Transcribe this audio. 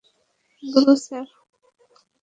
Guru, sir.